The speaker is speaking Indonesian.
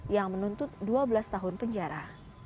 yang menuntut dua belas tahun penjara